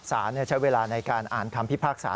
สารใช้เวลาในการอ่านคำพิพากษา